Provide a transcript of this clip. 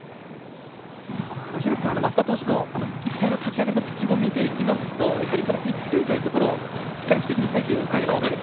廣瀬さん、升田投手の１回の立ち上がりのピッチングを見ていくとやはり１点というところをしっかり防ぎにいきたい感じです。